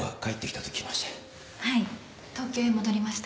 東京へ戻りました。